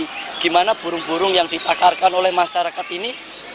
bagaimana burung burung yang ditakarkan oleh masyarakat ini